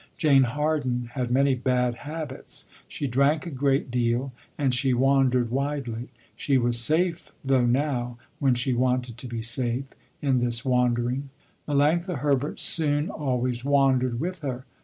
Jane Harden had many bad habits. She drank a great deal, and she wandered widely. She was safe though now, when she wanted to be safe, in this wandering. Melanctha Herbert soon always wandered with her.